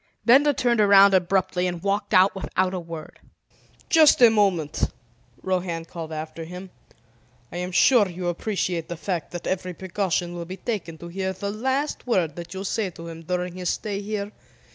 Benda turned around abruptly and walked out without a word. "Just a moment," Rohan called after him. "I am sure you appreciate the fact that every precaution will be taken to hear the least word that you say to him during his stay here?